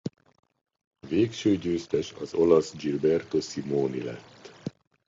Végső győztes az olasz Gilberto Simoni lett.